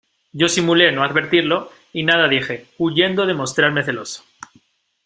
yo simulé no advertirlo, y nada dije , huyendo de mostrarme celoso.